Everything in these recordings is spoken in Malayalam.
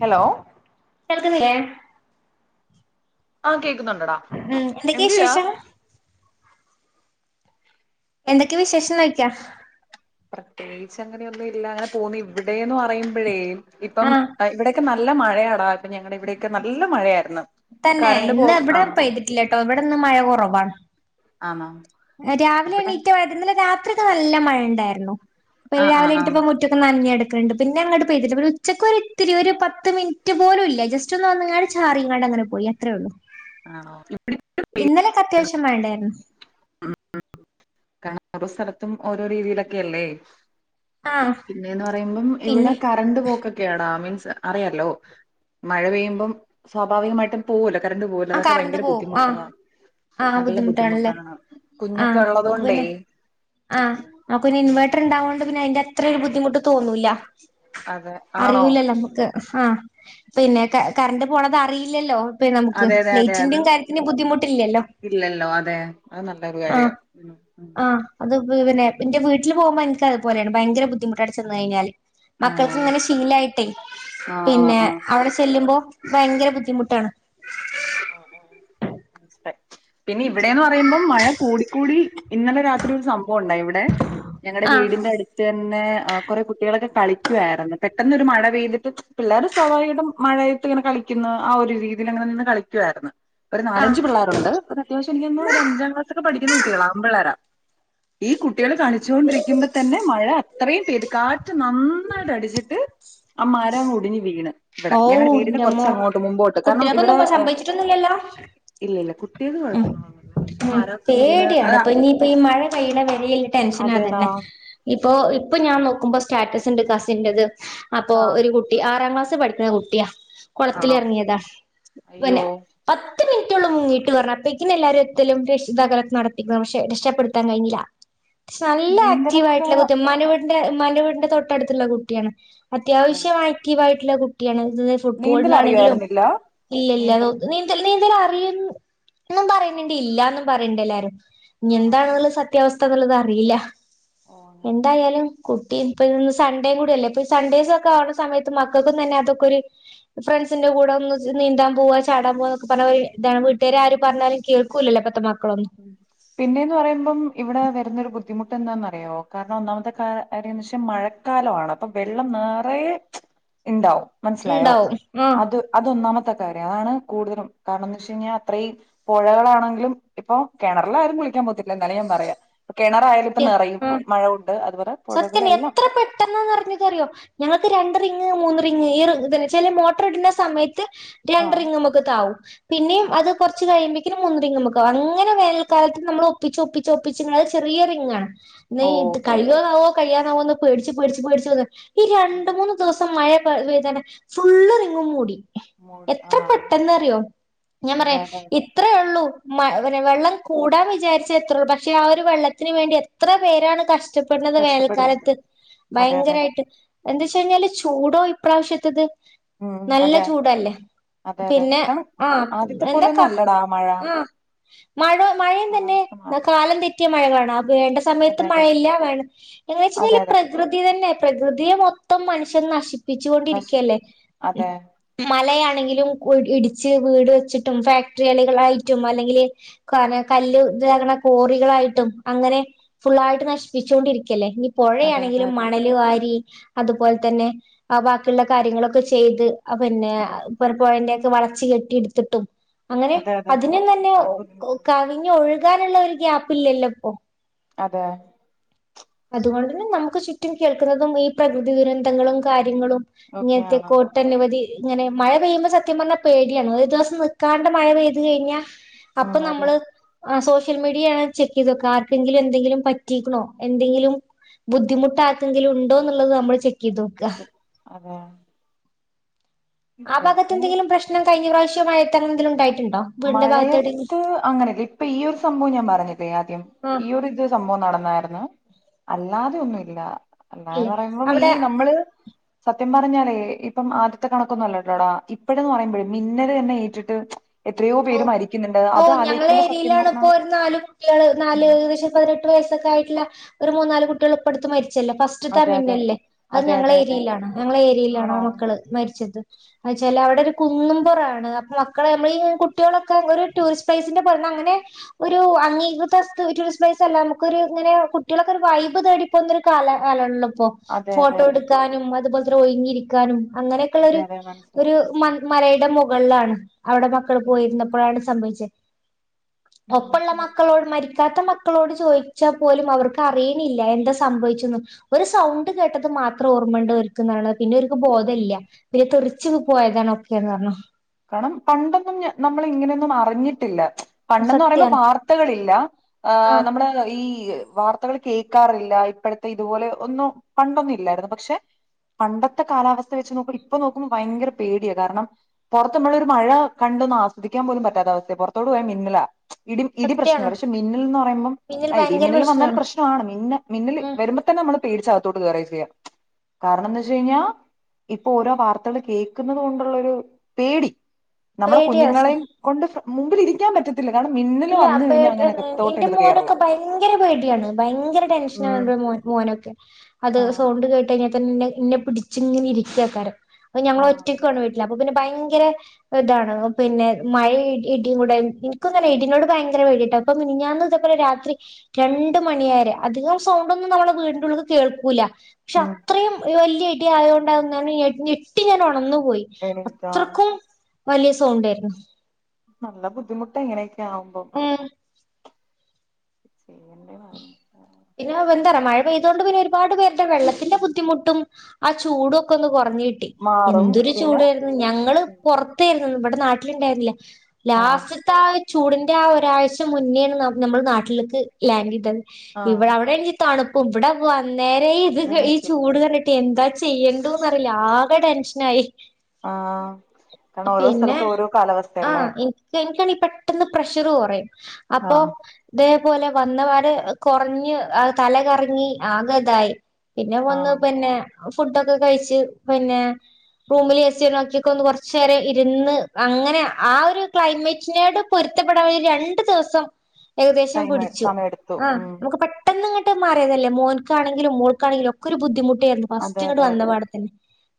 ഹലോ കേൾക്കുന്നില്ലേ ആ കേ ഉം എന്തൊക്കെയാ [inaudible] വിശേഷം എന്തൊക്കെ വിശേഷം നോക്കാ പ്രത്യേകിച്ച് അങ്ങനെയൊന്നും ഇല്ല അങ്ങനെ പോന്ന് ഇവിടെന്ന് പറയുമ്പോഴേ ഇപ്പം ആഹ് ഇവിടെയൊക്കെ നല്ല മഴയടാ അപ്പോ ഞങ്ങടെ ഇവിടെയൊക്കെ നല്ല മഴയായിരുന്നു. തന്നെ കറണ്ട് പോ ഇന്ന് ഇവടെ ആം പെയ്തിട്ടില്ലട്ടോ എവിടന്ന് മഴ കൊറവാണ്. ആന്നോ രാവിലെയാണ് ഇറ്റ [unintelligible] ഇന്നലെ രാത്രി [unintelligible] നല്ല മഴ ഇണ്ടായിരുന്നു. അപ്പ ആഹ് രാവിലെ ആഹ് ആഹ് എണീറ്റപ്പോ മുറ്റൊക്കെ നനഞ്ഞു കെട് കണ്ട് പിന്നെ അങ്ങോട്ട് പെയ്തിട്ടല്ല പിന്നെ ഉച്ചക്ക് ഒരു ഇത്തിരി ഒരു പത്ത് മിനിറ്റ് പോലു ഇല്ല, ജസ്റ്റ് ഒന്ന് വന്നങ്ങാ ചാറി ഇങ്ങാണ്ട് അങ്ങനെ പോയി, അത്രേ ഒള്ളു. ആണോ ഇവിടെ? ഇന്നലെക്കെ അത്യാവശ്യം മഴ ഇണ്ടായിരുന്നു. [unintelligible] [unintelligible] ഓരോ സ്ഥലത്തും ഓരോ രീതിയിലൊക്കെയല്ലേ. ആഹ് പിന്നെന്ന് പറയുമ്പം പിന്നെ ഇവിടെ കറണ്ട് പോക്കൊക്കെയാടാ, മീൻസ് അറിയാല്ലോ മഴ പെയ്യുമ്പം സ്വാഭാവികമായിട്ടും പോവൊല് കറണ്ട് പോവൊലോ ആ അതക്കെ കറണ്ട് ഭയങ്കര പോവും ബുദ്ധിമുട്ടാ ആഹ് ആഹ് നല്ല ബുദ്ധിമുട്ടാണല്ലേ ബുദ്ധിമുട്ടാണ് കുഞ്ഞൊക്കെ ആഹ് ഉള്ളത് കൊ നമുക്ക് പിന്നെ ആ, അപ്പോഞ്ഞ് ഇൻവേർട്ടർ ഭയങ്കര ബുദ്ധിമു ഉണ്ടാവോണ്ട് പിന്നെ അയിന്റെ അത്രൊരു ബുദ്ധിമുട്ട് തോന്നൂല്ല. അതെ, ആണോ? ആ പിന്നെ കറണ്ട് പോണത് അറിയില്ലല്ലോ. ക്ക് അതെ അതെ അതെ അത് ലേറ്റിൻ്റിം കാര്യത്തിൻ്റിം ബുദ്ധിമുട്ടില്ല്യല്ലോ ഇല്ലല്ലോ അതെ അത് നല്ലൊരു ആ കാര്യാ ഉം ഉം ആ അത് പിന്നെ ഇന്റെ വീട്ടില് പോവുമ്പോ എനക്ക് അതുപലെയാണ് ഭയങ്ക ബുദ്ധിമുട്ട അവ്ടെ ചെന്ന് കഴിഞ്ഞാല്. ആണോ മക്കൾക്ക് ഇങ്ങനെ ശീലായിട്ടേ ആഹ് ആഹ് പിന്നെ ആഹ് അവടെ ചെല്ലുമ്പോ, ഭയങ്കര ബുദ്ധിമുട്ടാണ്. ഓ ഓ ഓ [unintelligible] പിന്നെ ഇവിടേന്ന് പറയുമ്പം മഴ കൂടിക്കൂടി ഇന്നലെ രാത്രി ഒരു സംഭവം ഉണ്ടായി ഇവിടെ ഞങ്ങടെ ആഹ് വീടിന്റെ അട്ത്ത് പിന്നെ കുറെേ കുട്ടികളൊക്കെ കളിക്കുവാര്ന്നു പെട്ടെന്നൊരു മഴ പെയ്തിട്ട് പിള്ളേർ സ്വാഭാവികായിട്ടും മഴയത്ത് ഇങ്ങനെ കളിക്കുന്ന് ആ ഒരു രീതിൽ അങ്ങനെ നിന്ന് കളി ക്കുവാര്ന്ന്. ഒരു ആഹ് നാലഞ്ച് പിള്ളാരുണ്ട് അതത്യാവശ്യം എനിക്ക് [unintelligible] ഒരഞ്ചാം ക്ലാസ് ഒക്കെ പഠിക്കുന്ന കുട്ടികളാ, ആൺ പിള്ളേരാ. ഈ കുട്ടികൾ കളിച്ചോണ്ടിരിക്കുമ്പ തന്നെ മഴാ ഇത്രയും പേര് കാറ്റ് നന്നായിട്ട് അടിച്ചിട്ട് ആ മരം ഒടിഞ് വീണ് ഇവിടെ ഓ ഞങ്ങളടെ വീടിന് കുറച്ച അങ്ങോട്ട് മുമ്പോട്ട് കാരണം ഇവിടെ - സംഭവിച്ചിട്ടില്ലല്ലോ കുട്ടി- ഇതിന് കുഴപ്പം ഒന്നും ഇല്ല ഉം മരമൊക്കെ വീണ് അ പേടിയാണ് ഇപ്പൊ ഇനിയിപ്പോ ഈ മഴ പെയ്യുന്ന വരെ ടെൻഷനാണ് അതെടാ തന്നെ ഇപ്പൊ ഇപ്പൊ ഞാൻ നോക്കുമ്പോ സ്റ്റാർ- സ്റ്റാറ്റസ് കണ്ടു കസിന്റേത് അപ്പൊ ആ ഒരു കുട്ടി ആറാം ക്ലാസ്- പഠിക്കുന്ന കുട്ടിയാ ആണോ കുളത്തിലിറങ്ങിയതാണ് അയ്യോ പിന്നെ പ- പത്ത് മിനിറ്റം മിന്നിട്ട് ഒള്ളു മുങ്ങിയിട്ട് പറ അപ്പൊ ഇ എല്ലാരുംഎത്തി- എത്തലും പക്ഷെ രക്ഷപ്പെടുത്താൻ കഴിഞ്ഞില്ല [unintelligible] പക്ഷേ നല്ല ആക്റ്റീവ് നീന്തലൊക്കെ ആയിട്ടുള്ള കുട്ടിയ ഉമ്മാന്റെ വീട്ടിലും- എന്റെ ഉമ്മാന്റെ വീടിന്റെ തൊട്ടടുത്തുള്ള കുട്ടിയാണ് ഓ അത്യാവശ്യമാക്കി വായി നല്ല കുട്ടിയാണ് നീന്തൽ ഫുട്ബോളിനാണെങ്കിലും അറിയുമായിരുന്നില്ല ഇല്ലില്ല നീന്തൽ നിന്തൽ, നീന്തൽ - അറിയും എന്നും പറയുന്നു. അറിയില്ലാന്നും പറയണ്ട് എല്ലാരും. ഇനി ആണോ എന്താണുള്ളത് സത്യം. സത്യാവസ്ഥ എന്നുള്ളത് അറിയില്ല. ഓ അങ്ങനെ എന്തായാലും കുട്ടി ഇപ്പം ഇന്ന് സൺഡേയും കൂടെയല്ലേ, ഇപ്പൊ സൺഡേസ് ഒക്കെ ആവണ സമയത്ത് മക്കൾക്കു തന്നെ അതൊക്കെ ഒരു ഫ്രണ്ട്സിന്റെ കൂടെ ഒന്ന് നീന്താൻ പോവാ ചാടാൻ പോവാന്നൊക്കെ പറഞ്ഞാൽ ഇതാണ് വീട്ടുകാര് ആര് പറഞ്ഞാലും കേൾ കേൾക്കൂല ഇപ്പത്തെ മക്ക പിന്നെന്ന് പറയുമ്പോ ഇവിടെ വരുന്നൊരു ബുദ്ധിമുട്ട എന്താന്നറിയോ കാരണം ഒന്നാമത്തെ കാര്യന്ന് വെച്ചാൽ മഴക്കാലമാണ് അപ്പൊ വെള്ളം നിറയെ ഇണ്ടാവും. മനസ്സിലായോ ഉണ്ടാവും ആഹ് അത് അതൊന്നാമത്തെ. തെര ആണ് കൂടുതലും, കാരണം എന്ന് വെച്ച് കഴിഞ്ഞാൽ അത്രയും പുഴകളാണെങ്കിലും. ഇപ്പോ കേണറിലാരും കുളിക്കാൻ പോത്തില്ല എന്നാലും ഞാൻ പറയാ. കിണറായാലും ഇപ്പം നിറയും ആഹ് മഴ. അതുപോലെ സത്യം പുഴകളെല്ലാം എത്ര പെട്ടെന്നാ നിറഞ്ഞതെന്ന് അറിയോ ഞങ്ങക്ക് രണ്ട് റിംഗ്. മൂന്നു റിംഗ് ഏറും എന്നുവെച്ചാൽ മോട്ടർ ഇടുന്ന സമയ. ത്ത് രണ്ട് ആഹ് റിംഗ് നമുക്ക് താഴും പിന്നെയും ആഹ് അത് കുറച്ച് കഴിയുമ്പോഴേക്കും. ഇത് മൂന്ന് റിംഗ് നമുക്ക് അങ്ങനെ. ഇപ്പ വേനൽക്കാലത്ത് നമ്മൾ ഒപ്പിച്ച് ഒപ്പി ച്ചൊപ്പിച്ച് ങ്ങൾ ചെറിയ റിംങ്ങാ നീ ഓ ഇത് കഴി ഓ കഴിയാനാവോന്ന് പേടിച്ചു പേടിച്ചു പേടിച്ചന്ന് ഈ ഉം രണ്ടു മൂന്നു ദിവസം മഴ പെയ്തേനെ ഫുള്ള് റിങ്ങും മൂടി. മൂടി എത്ര ആഹ് പെട്ടെന്ന് അറിയോ ഞാൻ അതെ പറയാ അതെ അതെ ഇത്രയേ ഒള്ളൂ. മ വെള്ളം കൂടാൻ വിചാരിച്ച എത്രയള്ളൂ പക്ഷെ ആ ഒരു വെള്ളത്തിന് വേണ്ടി എത്ര പേരാണ് കഷ് ഷ്ടപ്പെടുന്നത് കഷ്ടപ്പെടുന്നത് വേനൽക്കാലത്ത് അതെ അതെ ഭയങ്കരായിട്ട് എന്ത വെച്ച് കഴിഞ്ഞാല് ചൂടോ ഇപ്രാവശ്യത്തത് ഉം നല്ല അതെ ചൂടല്ലേ അതെ അതെ പിന്നെ കാരണം ആ ആദ്യത്തെ എന്തൊക്ക പോലെയൊന്നും അല്ലടാ മഴ ആ മഴ മഴയും തന്നെ കാലാവസ്ഥ ന്ന മാറി കാലം തെറ്റി റ്റ്യ മഴ കാണാം വേണ്ട സമയത്ത് അതെ അതെ മഴയില്ല അതെ എന്നവച്ചുക്കഴിഞ അതെ പ്രകൃതി തന്നെ പ്രകൃതിയെ മൊത്തം ത്തം മനുഷ്യൻ നശിപ്പി വെച്ചികോണ്ടിരിക്കല്ലേ നശിപ്പിക്കും അതെ മലയാ എങ്കിലും കു ഇടിച്ച് വീട് വെച്ചിട്ടും ഫക്ടറികൾയാ ളായിട്ടും അല്ലെങ്കിൽ കല്ല് കോറികളായിട്ടും അങ്ങനെ ഫുൾയായിട്ടു നശിപ്പി വിച്ചോണ്ടിരിക്കല്ലേ അതെ അതെ പൊഴയാണെങ്കിലും അതെ മണൽ വാരി അതുപോലെ തന്നെ അ ബാക്കിയുള്ള കാര്യങ്ങളൊക്കെ ചെയ്തു അ [unintelligible] പിന്നെ അതെ ഇപ്പർ പോയിന്റ് വളച്ചു കെട്ടി ഇട്ത്തുട്ടും അങ്ങനെ അതെ അതെ അതിനും തന്നെ ഒരുപാട് ബുദ്ധിമുട്ട് [unintelligible] കവിഞ്ഞു ഒഴിക് നിക്കാനുള്ള ഒരു ഗ്യാപ്യില്ലല്ലോ ഇപ്പൊ അതെ അതുകൊണ്ട് തന്നെ നമുക്ക് ചുറ്റും കേൾക്കുന്നതും ഈ പ്രകൃതി ദുരന്തങ്ങളും കാര്യങ്ങളും ഓക്കെ ആണ് ഇങ്ങനെത്തെക്കോട്ടെനവധി ഇങ്ങനെ മഴ പെയ്യുമ്പോ സത്യം പറഞ്ഞാൽ പേടിയാണ് ഒരു ദിവസം നിക്കാണ്ട മഴ പെയ്തു കഴിഞ്ഞാ ഉം അപ്പൊ അതെ നമ്മള് സോഷ്യൽ മീ ഷ്യൽ മീഡിയാണ് ചെക്ക് ചെയ്ത് നോക്ക ആർക്കെങ്കിലും എന്തങ്കിലും പറ്റീക്ക്ണോ എന്തെങ്കിലും ബുദ്ധിമുട്ട് ആർക്കെങ്കിലും ഉണ്ടോ എന്നുള്ളത് നമ്മൾ ചെക്ക് ഇതുക്ക വാ ആ ഭാഗത്തെ എന്തെങ്കിലും പ്രശ്നം കഴിഞ്ഞപ്രാവ റ്റ്യമായിട്ടെന്തെങ്കിലു ഉണ്ടായി മഴയത്ത് അങ്ങനെല്ല ഇപ്പൊ ഈ ഒരു സംഭവം ഞാൻ പറഞ്ഞില്ലേ ആദ്യം ആഹ് ഈ ഒരു ഇത് മ്മു നടന്നായിരുന്നു അല്ലാതെയോന്നും ഇല്ല അല്ലാന്ന് ഇല്ല പറയുമ്പോ ഈ അവിടെ നമ്മള് സത്യം പറഞ്ഞാലേ ഇപ്പം ആദ്യത്തെ കണക്കൊന്നും അല്ലട്ടോടാ ഇപ്പഴന്ന് പറയുമ്പോഴും മിന്നല് തന്നെ ഏറ്റിട്ട് എത്രയോ ഓ പേര് മരിക്കുന്നുണ്ട് ഓ അത് ഞങ്ങള ആലോചിക്കുമ്പോ സത്യം ഏരിയയിലാണ് പറഞ്ഞാ ഇപ്പോ ഒരു നാല് കുട്ട്യേള് നാല് ഉം ഏകദേശം പതിനെട്ട് വയസ്സൊക്കെ ആയിട്ടുള്ള ഒരു മൂന്നാല് കുട്ടികൾയിപ്പോയാടുത്ത് മരി ച്ചല്ലോ ഫസ്റ്റ്ത്തെ അതെ അതെ ഇല്ലേ അത് അതെ അതെ അതെ ഞങ്ങളടെഏരിയൽലാണ് ഞങ്ങള ഏരിയാൽ ആ ആണോ മക്കൾ മരിച്ചത് ചെലവടെ കുന്നുപുറാണ് അപ്പൊ മക്കളെ നമ്മള് കുട്ടികളൊക്കെ ഒരു ടൂറിസ്റ്റ് പ്ലേസിന്റെ പോലന്ന് അങ്ങനെ ഒരു അംഗീകൃത ടൂറിസ്റ്റ് പ്ലേസ് അല്ല നമുക്ക ഒരു ഇങ്ങനെ കുട്ടികളൊക്കെ ഒരു വൈബ് തേടി പോകുന്ന ഒരു കാലകാലം ആഹ്ണല്ലോ അതെ അതെ ഫോട്ടോ അതെ എടുക്കാനും അതുപോലെ ത അത്ര ഒഴിഞ്ഞിരിക്കാനും അങ്ങനെയൊക്കെയുള്ള അതെ ഒരു അതെ ഒരു മനസ്സിലായി മ മലയിടെ മുകൾലാണ്. അവിടെ മക്കൾ അതെ എപ്പോഴാണ് സംഭവിച്ചെ ഒപ്പൊള്ള മനസ്സിലായി മക്കളോട് മരി ക്കാത്ത മക്കളോട് ചോദിച്ചാൽ പോലും അവർക്ക് അറിയിണില്ല എന്താ സംഭവിച്ചുന്നു. ഒരു സൗണ്ട് കേട്ടത് മാത്രം ഓർമ്മണ്ട് ഓര്ക്കുന്നാണ് പിന്നെ ഒരു ഇപ്പൊ ഉം ബോധല്ല [unintelligible] ച്ച് പോയതാണ് ഒക്കെന്ന് പറഞ്ഞു. കാരണം പണ്ടൊന്നും ഞ നമ്മള് ഇങ്ങനെയൊന്നും അറിഞ്ഞിട്ടില്ല. പണ്ടന്ന് പറയുമ്പോ സത്യാണ് വാർത്തകളില്ല ആ ആഹ് നമ്മളെ ഈ വാർത്തകൾ കേൾക്കാറില്ല ഇപ്പോഴത്തെ ഇതുപോലെ ഒന്നും പണ്ടൊന്നും ഇല്ലായിരുന്നു പക്ഷേ പണ്ടത്തെ കാലാവസ്ഥ വെച്ച് നോക്കു ഇപ്പൊ നോക്കുമ്പോ ഭയങ്കര പേടിയ കാരണം പൊറത്ത് നമ്മളൊരു മഴ കണ്ടൊന്ന് ആസ്വദിക്കാൻ പോലും പറ്റാത്ത അവസ്ഥയാ പൊറത്തോട്ടു പോയാ മിന്നലാ ഇടി ഇടി പ്രശ്നം സത്യാണ് പക്ഷെ മിന്നൽ എന്ന് പറയുമ്പം പിന്നിൽ ആ ഇടീം ഭയങ്കര മിന്നലും വന്നാൽ പ്രശ്നാണ് പ്രശ്നമാണ് മിന്ന മിന്നല് ഉം വരുമ്പോ തന്നെ നമ്മള് പേടിച്ച് അകത്തോട്ട് കേറേ ചെയ്യാ കാരണം ന്താന്ന് വെച്ച് കഴിഞ്ഞാൽ ഇപ്പൊ ഓരോ വാർത്തകൾ കേൾക്കുന്നത് കൊണ്ടുള്ളൊരു പേടി നമ്മുടെ പേടിയാണ് സ കുഞ്ഞുങ്ങളെയും കൊണ്ട് ഫ മുമ്പിൽ ഇരിക്കാൻ പറ്റ ഇല്ല അപ്പൊ എന്റെ കേറല മോനൊക്കെ ഭയങ്കര പേടിയാണ് ഭയങ്കര ഉം ടെൻഷനാണ് മോനൊക്കെ അത് ആഹ് സൗണ്ട് കേട്ട കഴിഞ്ഞാൽ തന്നെ എന്നെ പിടിച്ച് ഇങ്ങനെ ഇരിക്ക കാരം അപ്പ ഞങ്ങൾ ആഹ് ഒറ്റക്കാണ് വീട്ടില് അപ്പൊ പിന്നെ ഭയങ്കര ഇതാണ് പിന്നെ മഴ ഇടിയും കൂടെ എനക്ക് ഇടിനോട് ഭയങ്കര പേടിയട്ടോ അപ്പ മെനിങ്ങാന്ന് ഇതേപോലെ രാത്രി രണ്ട് മണിയരെ അധികം സൗണ്ട് ഒന്നും നമ്മള വീടിൻ്റുള്ളിൽ കേൾക്കൂല്ല പക്ഷെ ഉം അത്രയും വലിയ ല്ല്യടി ആയോണ്ടന്നു ഞൻ ഞെട്ടി ഞാൻ ഒണന്നു. പോയി എണീറ്റാ അത്രക്കും വല്ല്യ സൗണ്ടേർന്നു. നല്ല ബുദ്ധിമുട്ട് എങ്ങനെ ക്കെയാവുമ്പോ ഉം ചെയ്യണ് പിന്നെ [unintelligible] മഴ പെയ്തോണ്ട് പിന്നെ ഒരുപാട് പേരുടെ വെള്ളത്തിന്റെ ബുദ്ധിമുട്ടും ആ ചൂടും ഒക്കൊന്ന് കൊർ ർഞ്ഞ് കിട്ടി മാറും എന്തൊര് പിന്നെ ചൂടേർന്നു ഞങ്ങള് പൊർത്തേ വടെ നാട്ടില് ണ്ടായിർന്നില്ല ആണോ ലാസ്റ്റ്ത്താ ആ ഇ ചൂടിന്റെ ആ ഒരാഴ്ച മുന്നേണ് ഞമ് ഞമ്മൾ നാട്ടിൽക്ക് [unintelligible] ആഹ് ഇവിടെ അവിടെ എനിക്ക് തണു ന ഇവടെ വ നേരെ ഇത് അതാ ഈ ചോദി ചൂട് കണ്ടിട്ട് എത്താ ചെയ് ചെയ്യെണ്ടുന്നറിയില്ല ആകെ ടെൻഷനായി. ആഹ് കാരണം ഓരോ പിന്നെ സ്ഥലത്തും ഓരോ കാലാവസ്ഥയല്ലേ? ആഹ് എനിക്ക് എനിക്കാണെ പെട്ടെന്ന് പ്രഷറു കുറയും. അപ്പൊ ആഹ് ദേ പ്പോലെ വന്നപാട് കൊറഞ്ഞ് തലകറങ്ങി ആകെതായി. പിന്നെ വന്ന് ആണോ പിന്നെ ഫുഡൊക്കെ കഴിച്ച് പിന്നെ റൂമിൽ എസിയൊക്കെയാക്കിക്കോ ഒന്ന് കൊറച്ചേരം ഇരുന്ന് അങ്ങനെ ആ ഒരു ക്ലൈമറ്റിനോട് പൊരുത്തപ്പെടാ രണ്ടു ദിവസം ഏകദേശം ടൈം പിടി സമയം എടുത്തു ആ ഉം നമ്മക്ക് പെട്ടന്ന് [unintelligible] മാറിയതല്ലേ മോൻക്കാണെങ്കിലും മോൾക്കാണെങ്കിലും ഒക്കൊരു ബുദ്ധിമുട്ട് [unintelligible] ഫസ്റ്റ് അതെ ഇങ്ങട് അതെ അതെ വന്നപാട തന്നെ,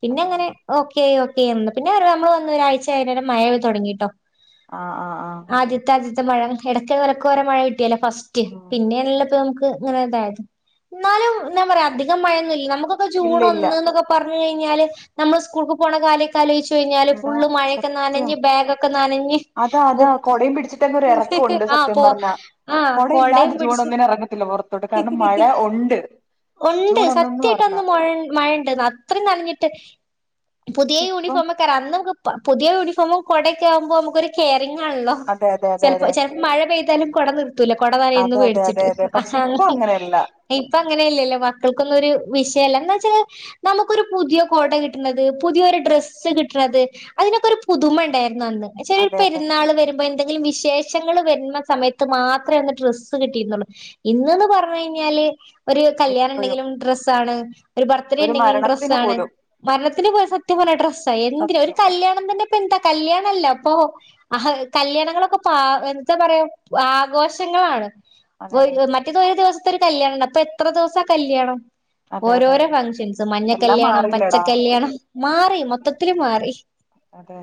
പിന്നെ അതെ ഇങ്ങനെ ഓക്കെയായി ഓക്കെ [unintelligible] പിന്നെ നമ്മള് വന്ന്‌ ഒരാഴ്ച കഴിഞ്ഞേരം മയ തൊടങ്ങിട്ടോ. ആഹ് ആഹ് ആഹ് ആദ്യത്തെ അഥി മഴ എടക്കും തലക്കോരോ മഴ കിട്ടിയല്ലേ ഫസ്റ്റ്. റ്റ് ഉം പിന്നെയൊള്ളതമുക്ക് [unintelligible] എന്നാലും എന്താ പറയാ അധികം മഴയൊന്നുൽ നമക് ന്നൊക്കെ ജൂൺ ഇല്ല ഇല്ല ഒന്ന്ന്നൊക്കെ പറ ന്ന്‌ കഴിഞ്ഞാല് നമ്മള് സ്കൂൾക്ക് പോണ കാര്യോക്കെയാലോചിച്ച് വിട്ട് കഴിഞ്ഞാല് എടാ ഫുള്ള് മഴയൊക്കെ സത്യം നനഞ്ഞ് ബെഗൊക്കെ നനഞ്ഞ് അതാ അതാ ബുക്ക് കൊടയും പിടിച്ചിട്ടന്നൊരെറകൊണ്ട് ആ സത്യം പോ പറഞ്ഞാ ആ കൊട കൊടയും പിടിച്ച് മഴ ഉണ്ട് ഒണ്ട് ജൂൺ ഒന്നന്ന് പറഞ്ഞ സത്യായിട്ടൊന്നു മൊഴ മഴയുണ്ട് അത്രയും നനഞ്ഞിട്ട് പുതിയ പക്ഷെ ഇപ്പം യൂണിഫോമൊക്കെറ അന്ന്മക് പുതിയ യൂണിഫോമും കൊടെക്കെ ആവുമ്പോ നമുക്കൊരു കെയ് കെയറിങ്ങാണല്ലോ അതെ അതെ അതെ ചെലപ്പോ അതെ ചെൽപ മഴ പെയ്ത ച്ചാലും കൊട നിവർത്തില്ല കൊട നനയുന്ന് അതെ അതെ പേടിച്ചിട്ട് അതെ അതെ പക്ഷെ ഇപ്പൊ അങ്ങനെയല്ല ഇപ്പം അങ്ങനെയില്ലല്ലോ മക്കൾക്കൊന്നൊരു [unintelligible] എന്ന് വെച്ചാല് നമുക്കൊരു പുതിയ കൊട കിട്ടണത് പുതിയൊര് ഡ്രസ്സ് കിട്ടണത് അതിനൊക്കെ ഒരു പുതുമ ഉണ്ടായി ഇന്നാണന്ന് ചെൽ അതെ അതെ പെരുന്നാള് വരുമ്പോ എനി എന്തെങ്കിലും വിശേഷങ്ങള് വരുന്ന സമയത്ത് മാത്രേയൊന്ന് ഡ്രസ്സ് കിട്ടീരുന്നുള്ളു ഇന്ന് എന്ന് പറഞ്ഞു കഴിഞ്ഞാല് ഒരു കല്യാണം എപ്പോഴും ഉണ്ടെങ്കിലും ഡ്രെസ്സാണ് ഒരു ബർത്ത്ഡേ ഉണ്ടെങ്കിലും മരണത്തിന് ഡ്രസ്സാണ് പോലും മരണത്തിന് പോലും സത്യം പറഞ്ഞാൽ ഡ്രെസ്സാ എന്തിന് ഒരു സത്യം കല്യാണം തന്നെ എന്താ കല്യാണല്ലാ അപ്പോ ഹാ കല്യാണങ്ങളൊക്കെ പാ എന്താ പറയാ ആഘോഷ ങ്ങളാണ് അതെ അതെ [unintelligible] മറ്റേത് ഒരു ദിവസ ഇപ്പത്തെ ഒരു കല്യാണമുണ്ട് അപ്പൊ എത്ര ദിവസമാ കല്യാണം അതെ അതെ ഓരോരോ അതെ ഫങ്ക്ഷൻസ് മഞ്ഞ എല്ലാം കല്യാണം പച്ച മാറില്ലടാ കല്യാണം മാറി അതെ അതെ മൊത്തത്തില് മാറി അതെ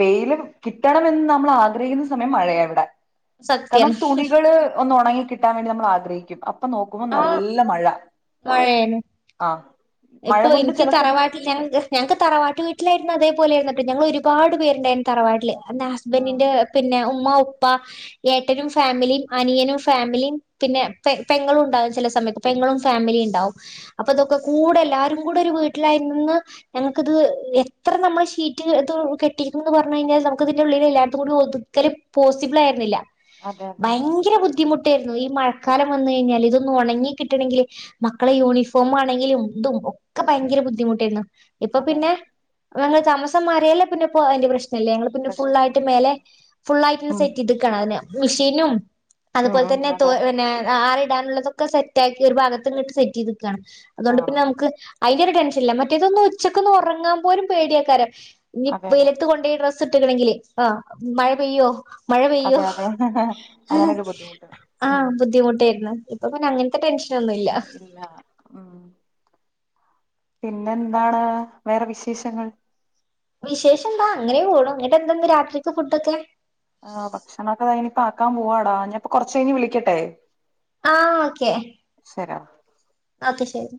വെയിലും കിട്ടണമെന്ന് നമ്മൾ ആഗ്രഹിക്കുന്ന സമയം മഴയാ ഇവിടെ കാരണം സത്യാണ് തുണികള് ഒന്ന് ഉണങ്ങി കിട്ടാൻ വേണ്ടി നമ്മൾ ആഗ്രിക്കും അപ്പ ന്നോ നോക്കുമ്പോ ആഹ് നല്ല മഴ [unintelligible] ആ മഴ ഇപ്പൊ കൊണ്ട് ഇനിക്ക് ചില സമയം തറവാട്ടിൽ ഞൻ ഞങ്ങക്ക് തറവാട്ട് വീട്ടിലായിരുന്നു അതെ പോലൊയിരുന്നട്ട ഞങ്ങൾ ഒരുപാട് പേരുണ്ടായിരുന്നു തറവാട്ടിൽ അന്ന് ആ ഹസ്ബന്റിന്റെ പിന്നെ ഉമ്മ ഉ പ്പ ഏട്ടനും ഫാമിലിയും അനിയനും ഫാമിലിയും പിന്നെ പെ പെങ്ങളും ഉണ്ടാകും ചില സമയത്ത് പെങ്ങളും ഫാമിലി ഇണ്ടാവും അപ്പൊ ആ ഇതൊക്കെ കൂടെ ൽ എല്ലാരും കൂടെ ഒരു വീട്ടിലായി നിന്ന് ഞങ്ങൾക്ക് ത് എത്ര നമ്മൾ ഷീറ്റ് കെട്ടി എന്ന് പറഞ്ഞു കഴിഞ്ഞാൽ നമുക്ക് ഇതിന്റെ ഉള്ളിൽ എല്ലായിടത്തും കൂടി ഒതുക്കൽ പോസിബിൾ ആയിരുന്നില്ല അതെ അതെ അതെ ഭയങ്കര ബുദ്ധിമു യിരുന്നു ഈ മഴക്കാലം വന്ന കഴിഞ്ഞാൽ ഇതൊന്നു ഒണങ്ങി കിട്ടണങ്കിൽ മക്കളെ അതെ യൂണിഫോം ആണെങ്കിലും ഇതും ഒക്കെ ഭയങ്കര ബുദ്ധിമുട്ടായിരുന്നു ഇപ്പൊ അതെ പിന്നെ ഞങ്ങള് തമസം മാറിയല്ലേ പിന്നെപ്പോ അയ്‌ന്റെ പ്രശ് ല്ല ഞങ്ങള് പിന്നെ ഫുള്ളൾ ആയിട്ട് പ്രശ്നല്ലല്ലേ മേലെ ഫുള്ളായിട്ട് ഉം സെറ്റ് ചെയ്തികാണ് അയിന് ബുഷീനും ഉം അതുപോലെ ഉം തന്നെ തോ അതെ പിന്നെ ആ ഇടാനുള്ളതൊക്കെ സെറ്റ് ആക്കി ഒരു ഭാഗത്ത് എന്നിട്ട് സെറ്റ് ചെയ്തി രിക്കാണ് ആണോ അതുകൊണ്ട് അതിന്റെരു ടെൻഷൻല്ല മറ്റേതൊന്ന് ഉച്ചക്കൊന്ന് ഒറങ്ങാൻ പോലും പേടിയാക്കാരം ഇനി അതെ അതെ വെയിലത്ത് കൊണ്ടയിടണ സിട്ടിക്കിണെങ്കിലേ ആഹ് മഴ പെയ്യോ മഴ പെയ്യോ അതെ അതെ അങ്ങനൊരു ബുദ്ധിമുട്ട് ഉം ആഹ് ബുദ്ധിമുട്ടായിരുന്നു അത് പിന്നെ അങ്ങൻത്തെ ടെൻഷൻ ഇല്ല ഉം പിന്നെ എന്താണ് വേറെ വിശേഷങ്ങൾ വിശേഷം എന്താ അങ്ങനെ പോണ് ഇന്നട്ടെന്താ ഇന്ന് രാത്രിത്തെ ഫുഡൊക്കെ ആ ഞാപ്പൊ കൊറച്ച് കഴിഞ്ഞ് വിളിക്കട്ടെ ആ ഓക്കെ ശരി ഓക്കെ ശെരി